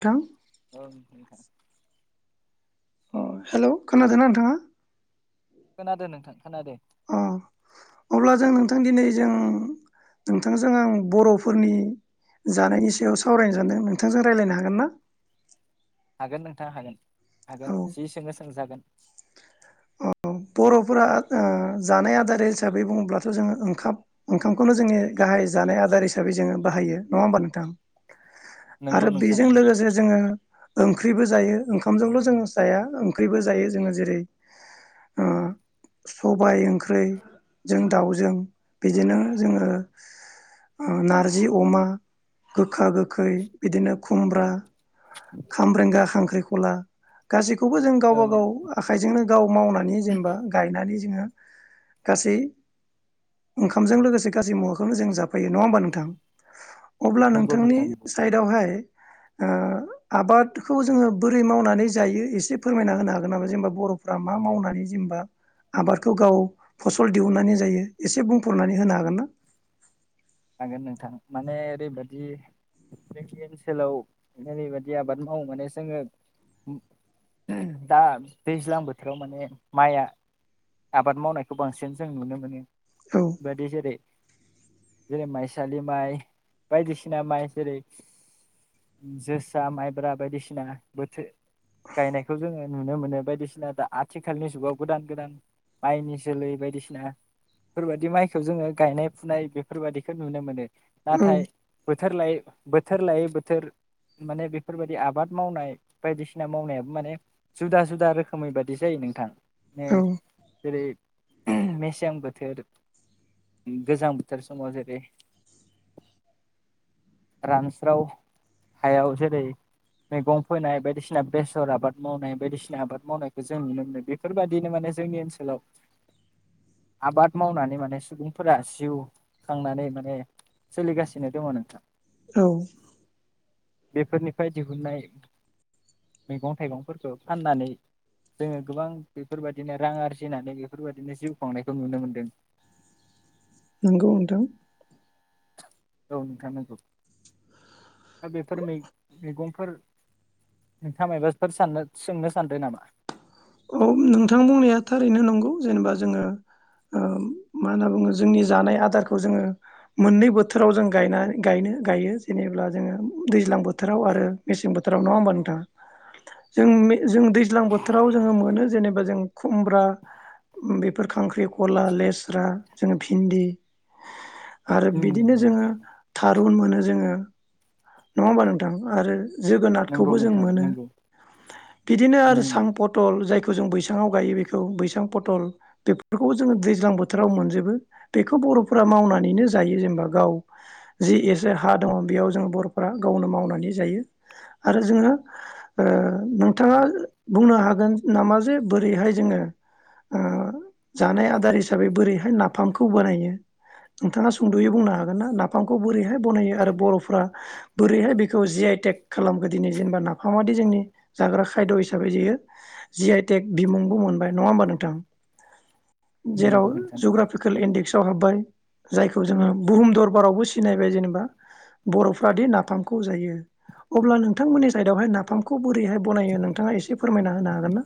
थां ओं नोंथां अ हेलौ खोनादोंना नोंथांङा? खोनादो नोंथां खोनादो। अ अब्ला जों नोंथां दिनै जों नोंथांजों आं बर'फोरनि जानायनि सायाव सावरायनो सानदों नोंथांजों रायलायनो हागोन ना? हागोन नोंथां हागोन। हागोन जि सोंङो सोंजागोन। अ बर'फोरा ओ जानाय आदार हिसाबै बुंङोब्लाथ' जोंङो ओंखाब ओंखामखौनो जोंनि गाहाय जानाय आदार हिसाबै जोंङो बाहायो नंङा होमबा नोंथां? नोंगौ आरो नोंथां बेजों नोंगौ लोगोसे जोंङो ओं ओंख्रिबो जायो ओंखामजोंल' जों जाया ओंख्रिबो जायो जोंङो जेरै ओ सबाय ओंख्रिजों दाव जों बिदिनो जोंङो नारजि अमा गोखा गोखै बिदिनो खुमब्रा खामब्रेंगा खांख ख्रिखला गासिद खौबो जों गावबा ओं गाव आखाइजोंनो गाव मावनानै जेनेबा गायनानै जोंङो गासै ओंखामजों लोगोसे गासै मुवाखौनो जों जाफायो नङा होमबा नोंथां अब्ला नोंगौ नोंथांनि नोंथां नोंगौ साइडआवहाय ओ आबादखौ जोङो बोरै मावनानै जायो एसे फोरमायना होनो हागोन नामा जेनेबा बर' फ्रा मा मावनानै जेनेबा आबादखौ गाव फसल दिहुननानै जायो एसे बुंफोरनानै होनो हागोन ना? हागोन नोंथां माने ओरैबायदि जोंनि ओनसोलाव ओरैबायदि आबाद मावो माने जोङो दा दैज्लां बोथोराव माने माइआ आबाद मावनायखौ बांसिन जों नुनो मोनो। औ [unintelligible] जेरै माइसालि माइ बायदिसिना माइ जेरै जोसा माइब्रा बायदिसिना बोथोर गायनायखौ जोङो नुनो मोनो बायदिसिना दा आथिखालनि जुगाव गोदान गोदान माइनि जोलै बायदिसिनाफोरबायदि माइखौ जोङो गायनाय फुनाय बे बेफोर बायदिखौ नुनो मोनो। औ नाथाइ बो बोथोर लायै बोथोर लायै बोथोर माने बेफोरबायदि आबाद मावनाय बायदिसिना मावनायाबो माने जुदा जुदा रोखोमै बादि जायो नोंथां। औ [unintelligible] जेरै- मेसें बोथोर गोजां बो थोर समाव जेरै रानस्राव हायाव जेरै मैगं फोननाय बायदिसिना बेसर आबाद मावनाय बायदिसिना आबाद मावनायखौ जों नुनो मोनो बेफोरबायदिनो माने जोंनि ओनसोलाव आबाद मावनानै माने सुबुंफोरा जिउ खांनानै माने सोलिगासिनो दङ नोंथां। औ। बेफोरनिफ्राय दिहुननाय मैगं थाइगंफोरखौ फाननानै जोङो गोबां बेफोरबायदिनो रां आरजिनानै बेफोरबायदिनो जिउ खुंनायखौ नुनो मोनदों। नंगौ नोंथां। औ नोंथां नंगौ दा बेफोर मै मैगंफोर नोंथाङा माबाफोर साननो सोंनो सानदो नामा? औ नोंथां बुंनाया थाररैनो नंगौ जेनेबा जोङो ओ मा होनना बुङो जोंनि जानाय आदारखौ जोङो मोननै बोथोराव जों गायना गायनो गायो जेनेबा जोङो दैज्लां बोथोराव आरो मेसें बोथोराव नङा होमबा नोंथाङा जों जों दैज्लां बोथोराव ओ मोनो जेननोबा जों खुमब्रा बेफोर खांख्रि खला, लेस्रा जो भिन्दि आरो उम बिदिनो जोङो नोंथां थारुन मोनो जोङो। नङा होमबा नोंथां आरो नंगौ जोगोनारखौबो जों नोंथां मोनो नंगौ बिदिनो आरो उम सां पटल जाय जों बैसाङाव गायो बेखौ बैसां पथल बेफोरखौबो जोङो दैज्लां बोथोराव मोनजोबो बेखौ बर'फोरा मावनानैनो जायो जेनेबा गाव जि एसे हा दङ बेयाव जों बर' फोरा गावनो मावनानै जायो आरो जोङो नोंथाङा बुंनो हागोन नामा जे बोरैहाय जोङो ओ जानाय आदार हिसाबै बोरैहाय नाफामखौ बानायो नोंथाङा सुंद'यै बुंनो हागोन ना नाफामखौ बोरैहाय बनायो आरो बर'फ्रा बोरैहाय बेखौ जि आइ टेक खालामखो दिनै जेनेबा नाफामादि जोंनि जाग्रा खायद' हिसाबै जयो जि आइ टेक बिमुंबो मोनबाय नङा होमबा नोंथां। जेराव नंगौ नोंथां नंगौ जग्राफिकेल इन्डेक्स फाव हाबबाय जायखौ जोङो बुहुम दरबारावबो सिनायबाय जेनेबा बर'फ्रादि ना नाफामखौ जायो। अब्ला नोंथांमोननि साइडआवहाय नाफामखौ बोरैहाय बनायो नोंथाङा एसे फोरमायना होनो हागोन ना?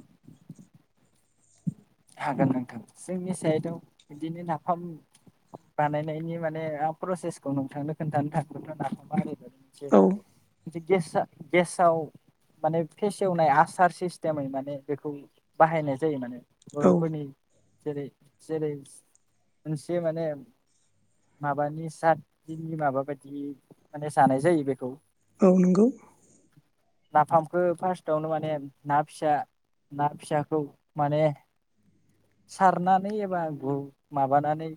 हागोन नोंथां जोंनि साइडाव बिदिनो नाफाम बानायनायनि माने प्रसेसखौ नोंथांनो खोन्थानो थांगोन ना नाफामा [unintelligible] औ [unintelligible] गेस आ गेसाव माने फेसेवनाय आसार सिस्टेमै माने बेखौ बाहायनाय जायो माने। औ बरफोरनि जेरै-जेरै मोनसे माने माबानि सात दिननि माबा बायदि माने जानाय जायो बेखौ। औ नंगौ। नाफामखौ फार्स्टआवनो माने ना फिसा ना फिसाखौ माने सारनानै एबा गु माबानानै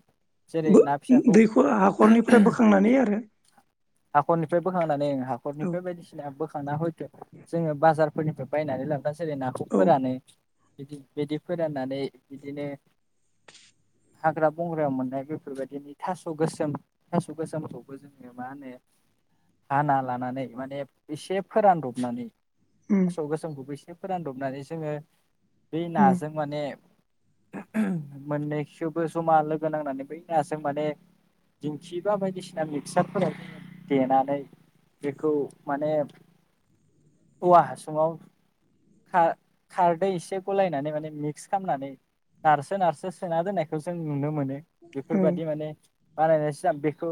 जेरै बो ना फिसाखौ दैखर हाखरनिफ्राय बोखांनानै आरो हाखरनिफ्राय बोखांनानै ओ औ हाखरनिफ्राय बायदिसिना बो [unintelligible] जोङो बाजार फोरनिफ्राय बायनानै लाबो [inaudible] नाखौ औ फोरानो बिदि बिदि फोराननानै बिदिनो हाग्रा बंग्रायाव मोननाय बेफोरबायदिनि थास' गोसोम थास' गोसोमखौबो जोङो मा होनो? हाना लानानै माने एसे फोरानदबनानै उम सौग सोमखौफै एसे फोरानदबनानै जोङो बै उम नाजों माने मोननैखेवबो जमा लोगो नांनानै बै नाजों माने दिंखि बा बायदिसिना मिक्सारफोरा देनानै बेखौ माने औवा हासुङाव खा-खारदै एसे गलायनानै माने मिक्स खालामनानै नारसो नारसो सोना दोननायखौ जों नुनो मोनो। औ बेफोरबायादि माने बानायनायसै आं बेखौ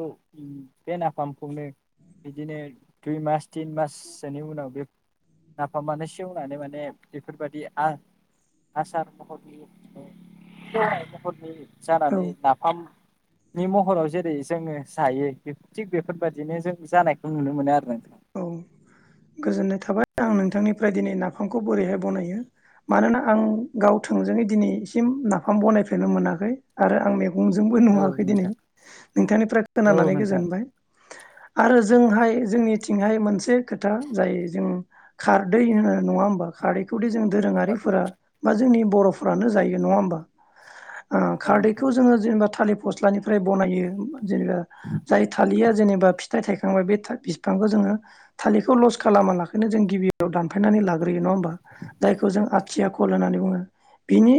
बे नाफाम मनो बिदिनो दुइ मास तिन माससोनि उनाव बे नाफामानो सेवनानै माने बेफोरबायदि आं आसार महरनि [inaudible] सेवनाय महरनि औ जानानै नाफाम नि महराव जेरै जोङो जायो थिग बे बेफोरबायदिनो जों जानायखौ नुनो मोनो आरो नों औ गोजोननाय थाबाय आं नोंथांनिफ्राय दिनै नाफामखौ बोरैहाय बनायो मानोना आं गाव थोंजोङै दिनैसिम नाफाम बनायफेरनो मोनाखै आरो आं मेगन जोंबो नुवाखै दिनै नोंथां नोंथांनिफ्राय औ खोनानानै नोंथां गोजोनबाय आरो जोंहाय जोंनि थिंहाय मोनसे खोथा जाय जों खारदै होनो नङा होमबा खारदैखौ दे जों औ दोरोङारिफोरा बा जोंनि बर'फोरानो जायो नङा होमबा? ओ नोंथां खारदैखौ जोङो जेनेबा थालिर फस्लानिफ्राय बनायो। जेनेबा जाय थालिरा जेनेबा फिथाइ थायखांबाय बे बिफांखौ जोङो थालिरखौ लस खालामा लाखनो जों गिबियाव दानफायनानै लाग्रोयो नङा होमबा जायखौ जों आथिया खल होननानै बुङो बिनि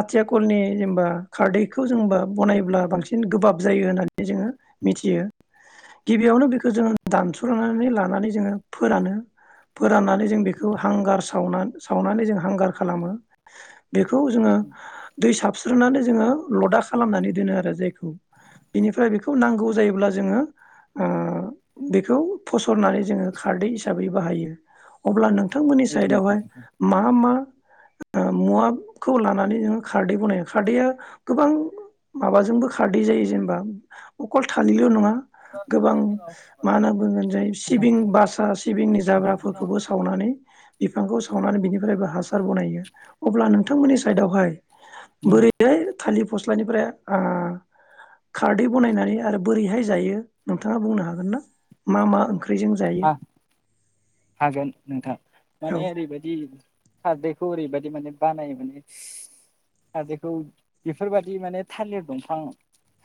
आथिया खलनि जेनेबा खारदैखौ जोंबा बनायब्ला बांसिन गोबाब जायो होननानै जोङो मिथियो। गिबियावनो बेखौ जोङो दानस' [unintelligible] लानानै जोङो फोरानो फोराननानै जों बेखौ हांगार सावनानै सावनानै जों हांगार खालामो। बेखौ जोङो दै सा सुथ्रुनानै जोङो लदा खालामनानै दोनो आरो जायखौ बिनिफ्राय बेखौ नांगौ जायोब्ला जोङो ओ बेखौ फसरनानै जोङो खारदै हिसाबै बाहायो अब्ला नों नोंथांमोननि औ नोंथां साइडआवहाय औ नोंथां मा मा? ओ मुवाखौ लानानै नोङो खारदै बनायो खारदैया गोबां माबाजोंबो खारदै जायो जेनेबा अखल थालिरल' नङा। गोबां मा होनना बुंगोन जै सिबिं बासा सिबिंनि जाग्राफोरखौबो उम सावनानै बिफांखौ सावनानै बिनिफ्रायबो हासार बनायो अब्ला नोंथांमोननि साइडआवहाय बोरैहाय थालिर फस्लानिफ्राय आ खारदै बनायनानै आरो बोरैहाय जायो नोंथाङा बुंनो हागोन ना? मा मा ओंख्रिजों जायो हा हागोन नोंथां। औ माने ओरै बादि खारदैखौ ओरैबायदि माने बानायो माने खारदैखौ बेफोरबायदि माने थालिर दंफां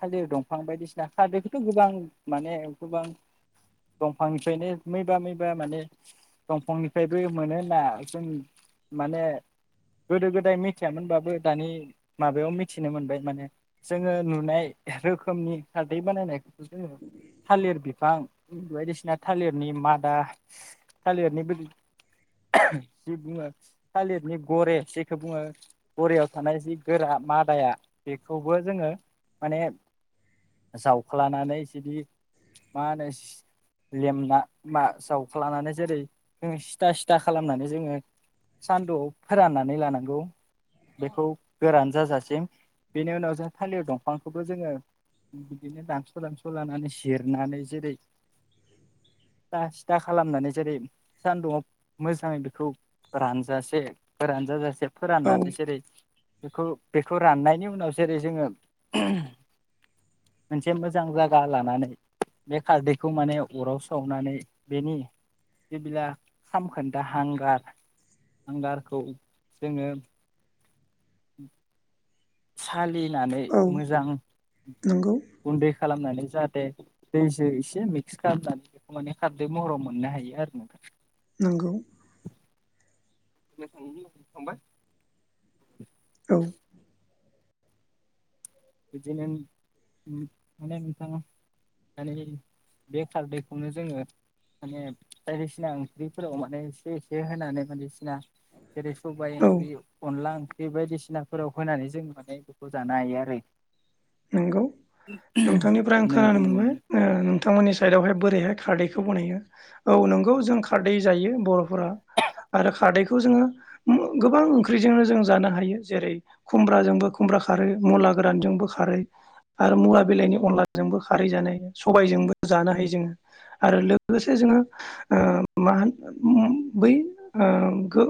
थालिर दंफां बायदिसिना खारदैखौथ' गोबां माने गोबां दंफां ओमफ्रायनो मैबा मैबा माने दंफांनिफ्रायबो मोनो होनना जों माने गोदो गोदाय मिथियामोनबाबो दानि माबायाव मिथिनो मोनबाय माने जोङो नुनाय रोखोमनि खारदै बानायनाय जोङो थालिर बिफां बायदिसिना थालिरनि मादा थालिरनि जि बुङो थालिरनि घरे जेखौ बुङो घरेयाव थानाय जि गोरा मादाया बेखौबो जोङो माने जावख्लानानै जुदि मा होनो लेमना मा जावख्लानानै जेरै जों सिथा सिथा खालामनानै जोङो सानदुआव फोराननानै लानांगौ बेखौ गोरान जाजासिम बेनि उनाव जों थालिर दंफांखौबो जोङो बिदिनो दानस' दानस' लानानै जिरनानै जेरै सिथा सिथा खालामनानै जेरै सानदुंङआव मोजाङै बेखौ रानजासे रानजाजासे औ फोराननानै जेरै बेखौ बेखौ राननायनि उनाव जेरै जोङो मोनसे मोजां जगा लानानै बे खारदै खौ माने अराव सावनानै बेनि जेला सामखोन्दा हांगार हांगारखौ जोङो उ साल खलिनानै औ मोजां नंगौ गुन्दै खालामनानै जाहाथे दैजो एसे मिक्स खालामनानै बेखौ माने खारदै महराव मोननो हायो आरो नोंथां नंगौ नों थांनो होननाया थांबाय [inaudible] [inaudible] बिदिनो माने नोंथां माने बेखारदैखौनो जोङो माने बायदिसिना ओंख्रिफोराव माने एसे एसे होनानै बायदिसिना जेरै सबायाइ औ ओंख्रि अनलां ओं बे बायदिसिनाफोराव होनानै जों माने बेखौ जानो हायो आरो नंगौ। नोंथांनिफ्राय आं खोनानो नोंगौ मोनबाय ओ नोंथांमोननि साइदआवहाय बोरैहाय खारदैखौ बानायो औ नंगौ जों खारदै जायो बर'फोरा आरो खारदैखौ जोङो गोबां ओंख्रिजोंनो जों जानो हायो जेरै खुमब्राजोंबो खुमब्रा खारै मुला गोरानजोंबो खारै आरो मुला बिलायनि अनलाजोंबो खारै जानाय सबायजोंबो जानो हायो जों आरो लोगोसे जोंङो ओ मा होनो बै खो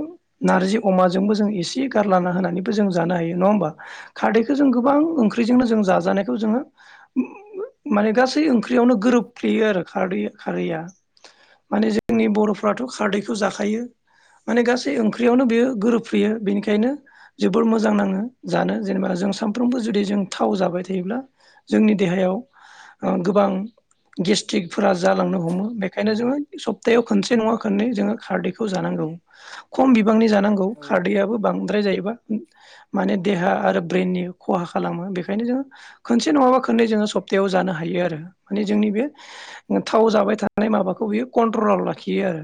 नारजि अमाजोंबो जों एसे गारलाना होनानैबो जानो हायो जों न' होमबा खारदैखौ जों गोबां ओं ख्रिजोंनो जों जाजानायखौ जोङो माने गासै ओंख्रियावनो गोरोबफ्लेयो आरो खारदै खारैया माने जोंनि बर'फ्राथ' खारदैखौ जाखायो माने गासै ओंख्रियावनो बेयो गोरोबफ्लेयो बेनिखायनो जोबोर मोजां नाङो जानो जेनेबा जों सानफ्रोमबो जुदि जों थाव जाबाय थायोब्ला जोंनि देहायाव गोबां गेसटिकफोरा जालांनो हमो बेखायनो जोंङो सबप्तायाव खेबसे नंङा खेबनै खारदैखौ जानांगौ खम बि बांनि जानांगौ औ खारदैयाबो बांद्राय जायो ब्ला माने देहा आरो ब्रेननि खहा खालामो बे खायनो जोंङो खनसे नङाबा खननै जोङो सप्तायाव जानो हायो आरो माने जोंनि बे थाव जाबाय थानाय माबाखौ बियो कन्ट्रलाव लाखियो आरो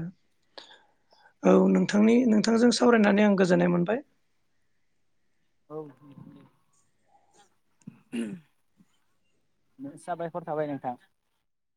औ नोंथांनि नोंथांजों सावरायनानै आं गोजोननाय मोनबाय। साबायखर थाबाय नोंथां